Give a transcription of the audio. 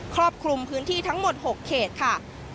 ครอบคลุมพื้นที่ทั้งหมด๖เขตค่ะ